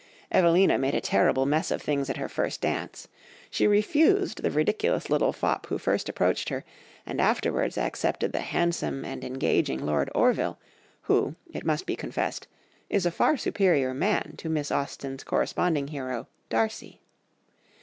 Evelina made a terrible mess of things at her first dance. She refused the ridiculous little fop who first approached her, and afterwards accepted the handsome and engaging Lord Orville, who, it must be confessed, is a far superior man to Miss Austen's corresponding hero, Darcy.